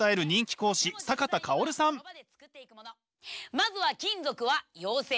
まずは金属は陽性。